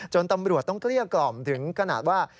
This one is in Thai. ตำรวจต้องเกลี้ยกล่อมถึงขนาดว่า